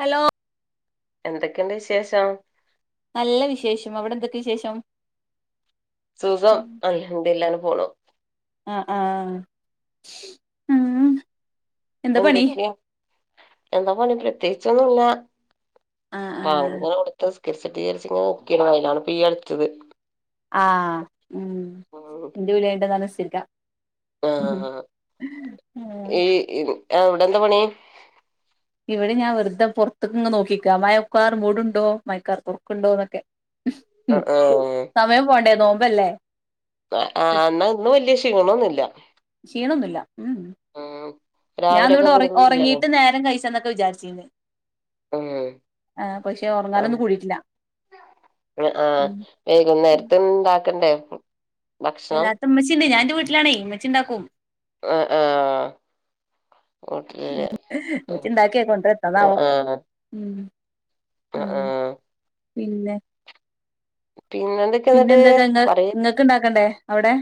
Hello എന്തൊക്കെണ്ട് വിശേഷം നല്ല വിശേഷം അവിടെ എന്തൊക്കെ വിശേഷം സുഖം അൽഹംദുലില്ലാഹ് അങ്ങനെ പോണു ആ ആ എന്തൊക്കെയ എന്താ പണി പ്രത്യേകിച്ചൊന്നുല്ല ആഹ് ആഹ് [unintelligible] ആ ഉം എന്റെ ണ്ടന്നാ [unintelligible] വിരിക്കാം ആ ആ ആഹ് ഈ ഇ അവിടെ എന്താ പണി ഇവിടെ ഞാൻ വെറുതെ പുറത്തക്ക ഇങ്ങ് നോക്കിക്കാ മയക്കാർ മൂടുണ്ടോ മയക്കാർ കുറക്കുണ്ടോന്നൊക്കെ സമയം പോണ്ടേ നോമ്പല്ലേ ആ എന്നാ ഇന്നും വലിയ ക്ഷീണമൊന്നില്ല ക്ഷിണൊന്നുമില്ല ആഹ ഞാൻ ഇവിടെ ഉ ഉറങ്ങീട്ട് നേരം കഴിച്ചന്നൊക്കെ വിചാരിച്ചിന്ന് ആഹ പക്ഷെ ഉറങ്ങാനൊന്നും കൂടിട്ടില്ല ആ ആഹ് വൈകുന്നേരത്ത് ഇണ്ടാക്കണ്ടേ ഭക്ഷണം ഇകത്ത് ഉമ്മച്ചിണ്ട് ഞാൻ ന്റെ വീട്ടിലാണേ ഇമ്മച്ചി ഇണ്ടാക്കും ആ ആ ഓട്ടലര് അ ഉമ്മച്ചി ഇണ്ടാക്കിയ അ ആ ആ പിന്നെ പിന്നെ എന്തൊക്കെയ പിന്നെ എന്നിട്ട് എന്തൊക്കെങ്ങ പറയ് ങ്ങക്ക് ഇണ്ടാക്കണ്ടേ അവിടെ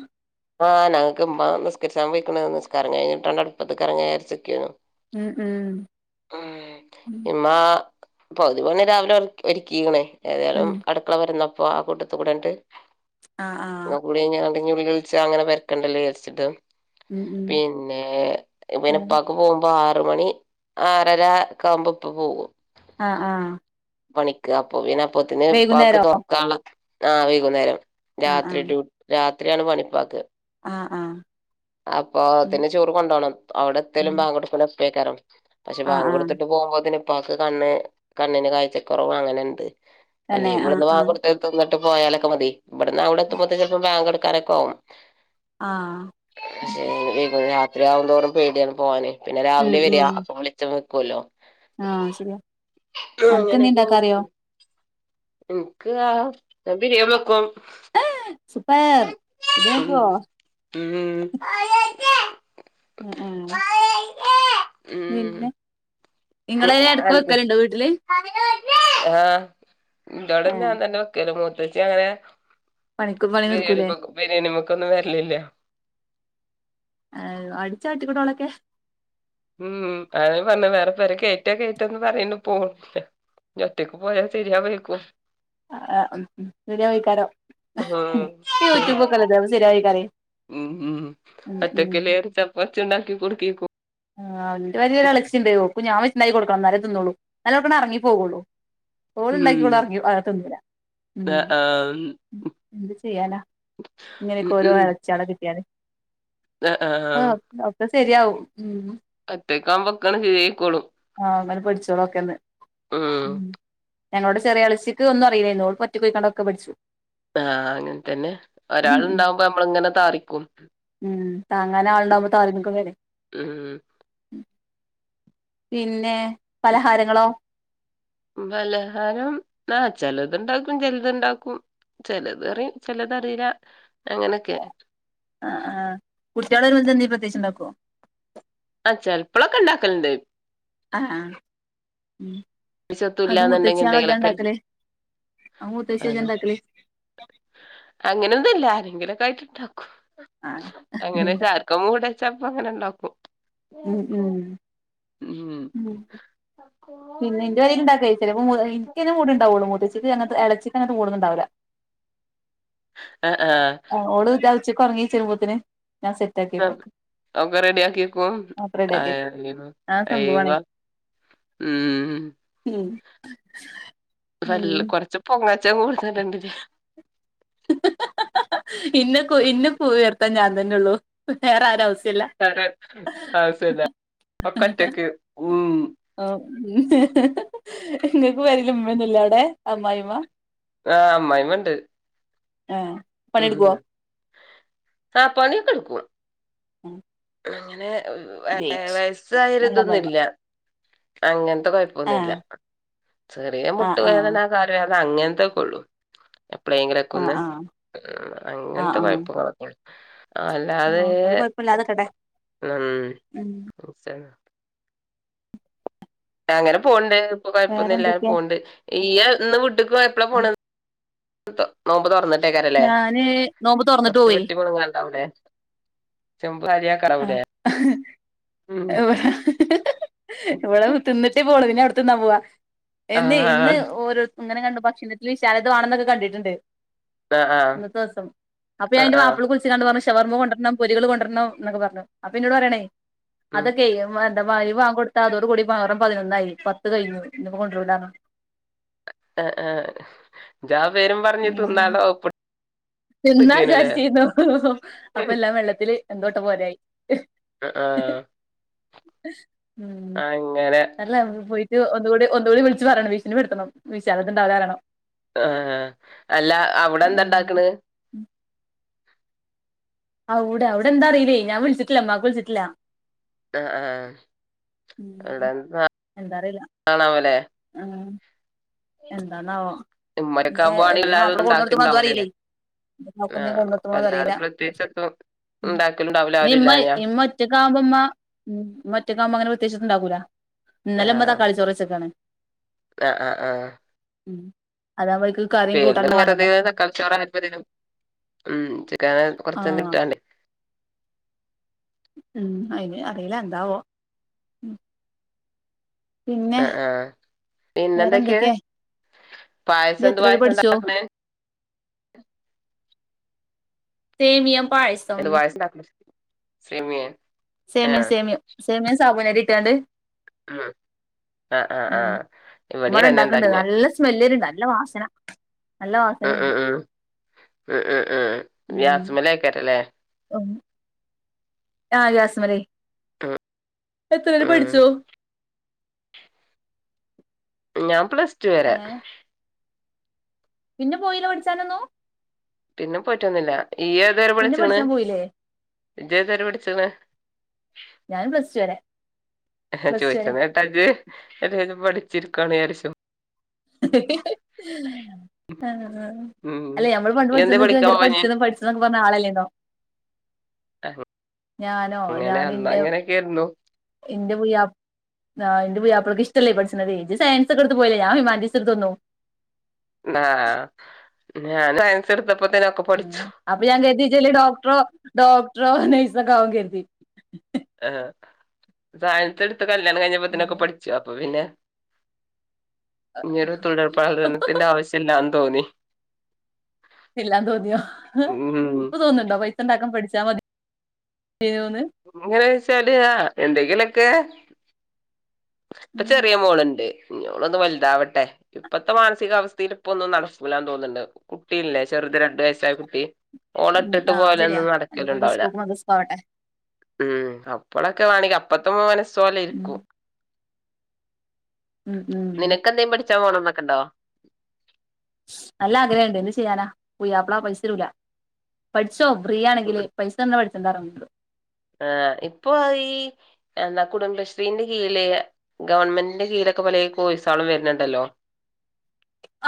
ആഹ് ഞങ്ങക്ക് മ്മ്മ നിസ്കരിച്ച പോയിരിക്കാണു നിസ്ക്കാരം കഴിഞ്ഞിട്ടണം അടുപ്പത്ത് കെറങ്ങ ചാര്ച്ച് ഉം ഉം ഉം അപ്പൊ അതുപണെ രാവിലെ ഒരുക്കീക്ക്ണേ ഉം ഏതായാലും അടുക്കള വരുന്നപ്പോ ആ കൂട്ടത്ത് കൂടങ്ങട്ട് ആ ആ പടിഞ്ഞൊളികളി അങ്ങനെ വരക്കണ്ടല്ലേ വിചാരിച്ചിട്ട് ഉം ഉം പിന്നെ പിനെ ഉപ്പൊക്കെ പോകുമ്പോ ആ ആറ് മണി ആറരാ കാവുമ്പോ ഇപ്പ പോകും അ ആ പണിക്ക് അപ്പൊ പിന്നെ അപ്പത്തിന് ഇപ്പക്ക് തുറക്കുള്ള ആഹ് വൈകുന്നേരം ആഹ് രാത്രി ആഹ് ഡ്യൂ രാത്രിയാണ് പണിപ്പാക്ക് അ ആ അപ്പൊ തെ ചോറ് കൊണ്ടുപോണം അവിടെ എത്തേലും ആഹ് പാങ്ക് കൊടുക്കലും ഒപ്പക്കരം പക്ഷെ ആഹ് ബാങ്ക് ആഹ് കൊടുത്തിട്ട് പോ പോകുമ്പോത്തിന്നിപ്പാക്ക് കണ്ണ് കണ്ണിന് കാഴ്ചക്കുറവ് അങ്ങനെണ്ട് അല്ല തന്നെ ആഹ് ഇവിടുന്ന് വാ ആഹ് കൊടുത്ത ൽപ്പം ട്ട് പോയാലൊക്കെ മതി ഇവിടന്ന് അവിടെ എത്തുമ്പോത്ത ചിലപ്പോം ബാങ്ക് ഒടുക്കാനൊക്കെ ആകും ആ ശെ രാത്രിയാക തോറും പേടിയാണ് പോവാന് പിന്നെ രാവിലെ വര അപ്പൊ വിളിച്ച ആ ശരിയാ അനക്ക് എന്തെ ഇണ്ടാക്ക അറിയോ ഇൻക്ക് ആ ഞ ബിരിയാ വെക്കും സൂപ്പർ ഉം ഇജ്ജോക്കോ ഉം അ ആ പിന്നെ ഇങ്ങള് എടക്ക് ഉം വെക്കലുണ്ടോ വീട്ടില് ആ ഇന്റൊടെ ഏഹ് ഞാൻ തന്നെ വെക്കല് മൂത്തച്ചി അങ്ങനെ പണിക്ക് പണി ബിരിയാണി നിർക്കൂലേ പക്കം ബിരിയാണി വക്കൊന്നും വരലില്ല ഏ അടിച്ച അട്ടിക്കുടോളൊക്കെ ഉം അതന്നെ പർഞ്ഞെ വേറെ പേരെ കേറ്റാ കേറ്റാ ന്ന് പറയ പോണില്ല ഞ ഒറ്റയ്ക്ക് പോയാ ശെരിയാവെയ്ക്കും ആ ശരിയാവെക്കാരം ഉം യൂട്യൂബ് ഒക്കെ എല്ലതാവ ശരിയായിയിക്കരെ ഉം ഉം ഒറ്റക്ക് ലേ ചപ്പത്തി ഇണ്ടാക്കി കൊടുക്കേക്കു ആഹ് ന്റെ പെരെരൊളച്ചി ഇണ്ട് ഓക്കു ഞാൻ ഇണ്ടാക്കി കൊടുക്കണം നേരേ ന്നോളൂ നല്ലോ ൾക്കണ്ടെ എറങ്ങി പോകോള്ളൂ. ഓള് ഉണ്ടാക്കിള ഉം ഇറക്ക അക തിന്നുല ഉം ആഹ് ആഹ് എന്ത് ചെയ്യാലാ ഇങ്ങനെയൊക്കെ ഓരോ അളച്ചിയാളെ കിട്ടിയല് അ ആ ആം ശരിയാവും ഉം ഒറ്റക്കാവുമ്പ ഒക്കാണ് ശരിയായിക്കോളും ആഹ് അങ്ങനെ പഠിച്ചോളൊക്കെന്ന് ഉം ഞങ്ങളോട് ചെറിയളിച്ചക്ക് ഒന്നും അറില്ല എന്നോട് പറ്റൊയിക്കണ്ടൊക്കെ പഠിച്ചു. ആ അങ്ങൻ തന്നെ ഉം ഒരാള് ഉം ഇണ്ടാവുമ്പോ നമ്മള് ഇങ്ങനെ താറിക്കും ഉം താങ്ങാനെ ആളുണ്ടകുമ്പോ തലങ്ങക്ക വരെ ഉം പിന്നെ പലഹാരങ്ങളോ ബലഹാരം ന ചലത്ണ്ടാക്കും ചലതുണ്ടാക്കും ചിലത്റി ചിലത് അറില അങ്ങനൊക്കെ ആ ആ് കുട്ടികളരു വ എന്തീ പ്രത്യേിച്ചി ഉണ്ടാക്കോ ാൽ പുളക്ക ഉണ്ടാക്കലുണ്ട് ആഹ ഉ പരിസത്തും ഇല്ലാന്നുണ്ടെങ്കിൽ എന്തെങ്കിലൊക്കെ അത് മൂത്തച്ചിയാ ഇജ്ജ് അത് ഇണ്ടാക്കല് അങ്ങനെന്നുംല്ല ആരെങ്കിലും ായിട്ടണ്ടാക്കും ആഹ് അങ്ങനൊർക്കും മൂടച്ചപ്പ അങ്ങനെ ഉണ്ടാക്കും ഉം ഉം ഉം ഉ കഴ എന കൂ ഉണ്ടാവുള്ളൂ മുറ്റച്ചക്ക് അങ്ങന ഇച്ചിക്ക്ങ്ങന കൂടുന്നുണ്ടാവില്ല ആ ആ ഓള് ഉച്ചുറങ്ങി ചെരു്പൂത്തിന് ഒക്കെ റെഡി ആക്കിിക്കും ഒക്കെ ആ റെഡിയാക്കിയെക്കും ആ അയവ സംഭവാണേ ഉ ഉം ഉം കുറച്ച് പോങ്ങ ഉച്ച കൂടുിച്ച രണ്ട് ഇന്ന ഇന്ന ഉയർത്താൻ ഞാൻ തന്നെയള്ളൂ വേറെരവസ്ഥ ഹൗസല്ല ഒക്കൊറ്റക്ക് [unintelligible] ഉം ആ എങ്ങക്ക് വരലമ്മന്നില്ല അവിടെ അമ്മ്മ ആഹ അമ്മ്മണ്ട് ആഹ പണിടുക്കോ സാപ്പണി കൊടുക്ക ഉം അങ്ങനെ ഗ്രേറ്റ് വയസ്സായാല നല്ല അമ്മായിമ്മ ഇതൊന്നുംില്ല അങ്ങന കുഴപ്പന്നില്ല ആഹ് ചെറിയ ആഹ് ആഹ് മുട്ടുവേദന ആ കാര് വേദന അങ്ങനത്തെക്കെ ഉള്ളു എപ്പഴങ്കിലും ഒക്കെ ആഹ് ഒന്ന് ആഹ് ആഹ് അങ്ങനത്തെ ആഹ് പഴപ്പ കക്ക ആ അല്ലാതെ ആഹ് ഒരു കൊഴപ്പല്ലാതെക്കട്ടെ ഉം അങ്ങനെ പോവണ്ട് ഇപ്പൊ കൊഴപ്പൊന്നും ഇല്ലാെ വേറെന്തൊക്കെയാ പോണ്ട് ഈയ ഇന്ന് വിീട്ടക്ക് എപ്പളാ പോണ നമ്പത് പറഞ്ഞിട്ട് ക്കാരല്ലേ ഞാന് നോമ്പ് തൊറന്നിട്ട് കൊറച്ച് പോവേ വെട്ടിമുണുങ്ങണ്ട അവിടെ ആ ഉം ഇടെ ഇവിടെ തിന്നിട്ടേ പോണ പു പോവാ എന്ന് ആഹ് ഇന്ന് ആഹ് ഓരോരുത്ത ഇങ്ങനെ കണ്ടു ഭക്ഷണത്തിൽ വിശാലമാണെന്നൊക്കെ കണ്ടിട്ടുണ്ട് ആഹ് ഇന്നത്തെ ദിവസം അപ്പൊ ആഹ് അതിന്റെ ആഹ് മാപ്പിള് കുളിച്ച കണ്ട് പറഞ്ഞു ഷവർമ്മ കൊണ്ടുവരണം പരകൾ കൊണ്ടുവരണം എന്നൊക്കെ പറഞ്ഞു അപ്പ പിന്നോട് പറയണേ ഉം അതൊക്കെയ എ വ വാങ്ങ കൊടുത്താ അതോട കൂടിേറ പതിനൊന്നായി പത്ത് കഴിഞ്ഞു ഇിപ്പോ കൊണ്ടപല്ലോ ആ ആ ജാ പേരും പറഞ്ഞി തിന്നാലോ ന്ന വിചാരിച്ചീുന്നു അപ്പ എല്ലാം വെള്ളത്തില് എന്തോട്ട പോരെയായി ആഹ ഉം അല്ല അവ പോയി ഒുകൂടി ഒുകൂടി വിളച്ച് പറയണം വിീശന് വ വിടുത്തണം വിശാലത് ഉണ്ടാവെറണം ആ അല്ല അവിടെ എന്താ ഉം ഉണ്ടാക്കണ് ആവിടെ അവിടെ എന്താറിയില്ലേ ഞാൻ വിളിച്ചിട്ടില്ല മ്ക്ക് വിളിട്ടില്ലാ ആ ആഹ എവിടെ എന്താ അറിയില്ല കാണാാവലെ ഉം എന്തന്ന ഉമ്മരക്കാവുമ്പോ ആണെങ്കി എന്ത മാപ്പിളെ എല്ലാതൊന്നും കൊടുന്ന എടുത്ത വന് അറിയില്ലേ ഉണ്ടാക്കണ്ടാവൂലല്ലേ നക്ക നീ ആഹ് കൊന്നെത്തുമ്പോന്ന് വല്ലാതെ അറിയില്ല പ്രത്യേകിച്ചൊന്നും ഉ ഉണ്ടാക്കലുണ്ടാവൂല ഇമ്മ ആരുല്ലാഞ്ഞാ മറ്റക്ക ആവുമ്പോമ്മ ഉ മറ്റക്കാവുമ്പോ അങ്ങനെ വിത്യാശ്യുണ്ടാവകൂല നിലമ്പത കാളിച്ചോറ വച്ചൊക്കാണ് ആഹ ആഹ് ആഹ ഉം പേര്ന് വെർതേ വെക്കാ [unintelligible] ഉം ചിക്കന് കൊർച്ചെന്തെലും ആഹ് ഇട്താണ്ടേ ഉം അയ്ന് അറീലാ എന്താവോ ഉം ആഹ് ആഹ് വേറെ പിന്നെന്തൊക്കേ എന്തൊക്കെയാ ഇയ്യ് പായസെന്ത് എത്രവരെ പഠിച്ചു പായസണ്ടാക്ക്ണേ സേമിയം പായസം എന്റെ വയസ്നാ [unintelligible] സേമിയേ സേമിയം ആഹ് സേമിയം സേമിയം സാബൂനരിട്ട്കാണ്ട് ഉം ആഹ് ആഹ് ആം ആഹ് മ്മ ഇവിടെയും അവ്ടെ തന്നെ ണ്ടാക്ക്ണ്ട് ഉണ്ടാക്കിനെ നല്ല സ്മെല്ലെര്ണ്ട് ന ല്ല വാസനാ ആഹ് ആഹ് ആഹ് അഹ് അഹ് ആഹ് ഉം ഗ്യാസ്മെലെയ്ക്കെരെലേ ഉം ആഹ് യാസ്മലേ എത്ര വരെ ഉം പഠിച്ചു? ഞാൻ പ്ലസ് ടു വരെ. ഏഹ് പിന്നെ പോയില്ല പഠിച്ചാനൊന്നും? പിന്നെ പോയിറ്റൊന്നും ഇല്ല. ഈയേതുവരെ പിന്നെ പഠിച്ചേക്ക്ണ്? പഠിച്ചാൻ പോയില്ലേ ജ്ജേതു വരെ പഠിച്ചേക്ക്ണ്? ഞാൻ പ്ലസ് ടു വരെ പ്ലസ് ടു വരെ ചോയിച്ചത് കേട്ടാ ജ്ജ്? ഏതേലും പഠിച്ചിരിക്കാണേചാരിച്ചു. ആ ഉം അല്ലെ നമ്മള് പണ്ട് ഇയ്യ് എന്തേ പഠിച്ചത് പഠിക്കാൻ [unintelligible] പോവാഞ്ഞേ പഠിച്ചതൊന്നൊക്കെ പറഞ്ഞ ആളല്ലേന്നോ. ഞാനോ അങ്ങനെ ഞാനെൻ്റെ അന്നങ്ങനെയൊക്കെയായിരുന്നു എന്റെ പുയ്യാ ആഹ് എൻ്റെ പുയ്യാപ്ലക്ക് ഇഷ്ടല്ലേ പഠിച്ചണതേ. ജ്ജ് സയൻസ് ഒക്കെ എടുത്ത് പോയില്ലേ? ഞാൻ ഹ്യൂമാനിറ്റീസ് എടുത്തു വന്നു. ആഹ് ഞാൻ സയൻസെടു [inaudible] അപ്പ ഞാകരുതി ജ്ജ് ഡോക്ടറോ ഡോക്ടറോ നേഴ്സൊക്കെ ആവുമെന്ന് കരുതി. ആ സായനത്തെടുത്ത് കല്യാണം കഴിഞ്ഞപ്പത്തനൊക്കെ ഉം പഠിച്ചു. അപ്പൊ പിന്നെ ഇനിയൊരു തുടർപഠനത്തിൻ്റെ ആവശ്യല്ലാന്ന് തോന്നി. ഇല്ലാന്ന് തോന്നിയോ? ഉം ഇപ്പൊ തോന്നണ്ടോ പൈസ ഒണ്ടാക്കാൻ പഠിച്ചാ മതി എങ്ങനെ വെച്ചാല് എന്തെങ്കിലൊക്കെ ഇപ്പ ചെറിയ മോളൊണ്ട്. ഇനിയോളൊന്ന് വലുതാവട്ടെ. ഇപ്പത്തെ മാനസികാവസ്ഥയിൽ ഇപ്പ ഒന്നും നടക്കലന്ന് തോന്നുണ്ട്. കുട്ടിയല്ലെ ചെറു ത് രണ്ടു വയസായ കുട്ടി ഓളെ ഉം ഇട്ടിട്ട് ആഹ് ശരിയാ പോയലൊന്നും എന്നോട് നടക്കലൊണ്ടാവില്ല. സ്കൂൾക്ക് മദ്രസക്ക് ആവട്ടെ ഉം അപ്പളൊക്കെ വേണങ്കി അപ്പത്തെ മനസ്സ് പോലെ ഉം ഇരിക്കും. ഉം ഉം [unintelligible] പോണംന്നൊക്കെ ഒണ്ടോ? നല്ല ആഗ്രഹണ്ട് എന്ത് ചെയ്യാനാ പുയാപ്പളാ പൈസരൂല. പട് ച്ചോ ബ്രിയാണെങ്കിലേ പൈസന്ന് പട്ച്ചണ്ടാറിന്നോട് ആഹ് ഇപ്പൊ ഈ എന്താ കുടുംബശ്രീന്റെ കീയ്ല്ള്ള ഗവൺമെന്റിന്റെ കീയ്ലെ ഒക്കെ പലേ കോയ്സാളും വരുണ്ണ്ടല്ലോ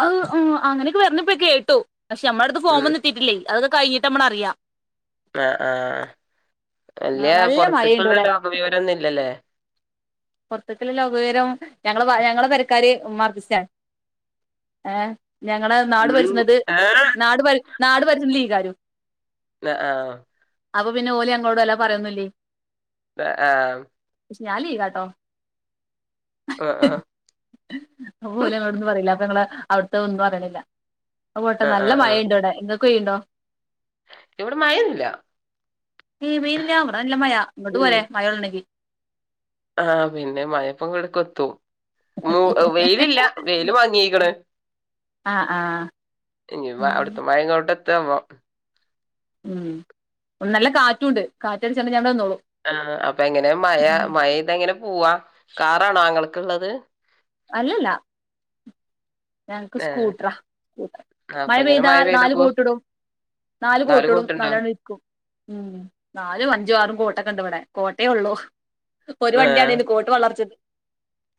അഹ് അഹ് അങ്ങനോക്കെ വര്ന്ന്പ്പ കേട്ടു. പക്ഷെ നമ്മടെട്ത്ത് ഫോം ഉം ഒന്നുംത്തിയിട്ടില്ലേ അതൊക്ക കഴിഞ്ഞിട്ടമ്മള അറിയാ ആഹ് ആഹ് ആഹ് വല്യ നല്ല മഴയുണ്ട് പൊർത്ക്ള്ള ലോഗവിവരൊന്നുല്ലല്ലേ? പൊർത്ക്ക് ല്ല ലോകവിവരം ഞങ്ങള് വാ ഉം ആ ഞങ്ങള് ! ! ! ! ! ! ! ! ! ! ! ! ! ! ! ! ! ! ! ! ! ന ആഹ് അപ്പൊ പിന്നെ ഓല് യങ്ങോട് വല്ലാ പറയുന്നില്ലേ പെ ആം പക്ഷെ ഞാൻ ലീഗാട്ടോ ആഹ് ഓല് എന്നോടൊന്നും പറയില്ല അപ്പ നിങ്ങളാ അവടത്തെ ഒന്നും [unintelligible] പോട്ടെ ആഹ് നല്ല ആഹ് ആഹ് മഴയുണ്ട് ഇവിടെ ഇങ്ങക്ക് പെയ്യുണ്ടോ ഇവിടെ മയന്നുംല്ല [unintelligible] നല്ല മഴ ഇങ്ങോട്ട് പോലെ മഴ കൊള്ളണങ്കി ആഹ് പിന്നെ മഴപ്പം [unintelligible] [unintelligible] [unintelligible] വെയിലില്ല വെയില് മങ്ങിയീക്കണ് ആഹ് ആഹ് ഇന്നിപ്പ അവിടുത്ത മഴ ഇങ്ങോട്ട് എത്തും [unintelligible] ഉം [unintelligible] നല്ല കാറ്റുംണ്ട് കാറ്റടിച്ചോണ്ട് ഞാ ആ അപ്പ എങ്ങനാ മഴ മഴയത്തെങ്ങനെ പോവാ കാറാണോ ഇങ്ങള്ക്കുള്ളത് അല്ലല്ല ഞങ്ങക്ക് ഏഹ് സ്കൂട്ടറാ സ്കൂട്ടറ് അപ്പൊ മഴ എങ്ങനെ പെയ്താ നാല് പോവ കോട്ടിടും. നാല് കോട്ടിടും നാലാള്ക്കും ഉം നാലും അഞ്ചും ആറും കോ കോട്ടക്ക ഒണ്ട് ഇവിടാ കോട്ടേ ഉള്ളൂ ഒരു വണ്ടിയാണേലും കോട്ട് വളർച്ച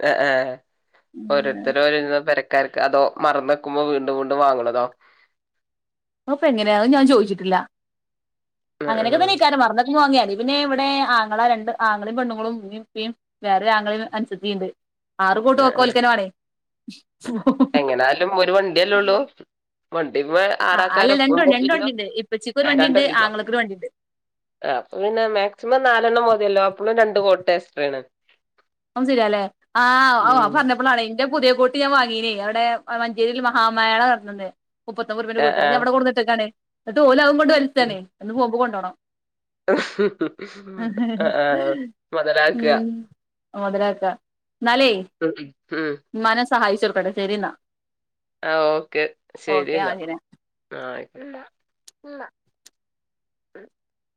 ആഹ് ആഹ് ഓരോര്ത്തരും ഒര് [unintelligible] [unintelligible] അതോ മറന്ന് വെക്കുമ്പോ വീണ്ടും വീണ്ടും വാങ്ങണതോ [unintelligible] എങ്ങനെയാ അത് ഞാൻ ചോദിച്ചിട്ടില്ല ഏഹ് അങ്ങനെയൊക്കെ തന്നെ ഈ കാര്യം മറന്ന വാങ്ങിയാല് പിന്നെ ഇവടെ ആങ്ങളാ രണ്ട് ആങ്ങളെയും പെണ്ണുങ്ങളും [unintelligible] [unintelligible] വേറെ ആങ്ങളെയും അനുസത്തിയുണ്ട് ആറ് കോട്ടും ഓകേ ഓൾക്കെന്നെ വാണേ എങ്ങനാലും ഒരു വണ്ടിയല്ലേ ഒള്ളൂ വ ഇവൻ ആ ആറാക്കാര അല്ല ഒപ്പം രണ്ടു രണ്ട് വണ്ടിണ്ട് ഇപ്പച്ചിക്ക് ഒരു വണ്ടിണ്ട് [unintelligible] [unintelligible] [unintelligible] ആങ്ങളക്ക് ഒരു വണ്ടിണ്ട് ആഹ് അപ്പൊ പിന്നെ മാക്സിമം നാലെണ്ണം മതിയല്ലോ അപ്പളും രണ്ട് കോട്ട് എക്സ്ട്രെണ് അതും ശരിയാല്ലേ ആഹ് ഓ പറഞ്ഞപ്പളാണെ ഞാൻ പുതിയ കോട്ട് ഞാൻ വാങ്ങീനേ അവടെ മഞ്ചേരിയിൽ മഹാമേള നടന്ന [unintelligible] മുപ്പത്തൊമ്പത് രൂപേടെ ആഹ് കോട്ട് അത് ആഹ് ഞമ്മടെ [unintelligible] എന്നിട്ട് ഓല് അതും കൊണ്ട് [unintelligible] ഇന്ന് പോമ്പ കൊണ്ടോണം ആഹ് ആഹ് മൊതലാക്ക്‌ക മൊതലാക്ക്‌ക ന്നാലേ ഉം ഉം സഹായിച്ച [unintelligible] ശരിന്നാ ആ ഓക്കെ ശരി എന്നാ ആ ആയിക്കോട്ടെ ഉ [unintelligible]